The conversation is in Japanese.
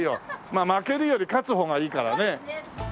まあ負けるより勝つ方がいいからね。